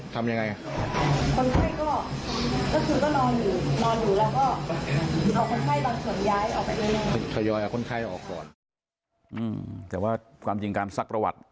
แต่ว่าความจริงการซักประวัติ